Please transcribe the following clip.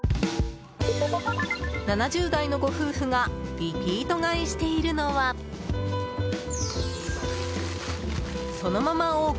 ７０代のご夫婦がリピート買いしているのはそのままＯＫ！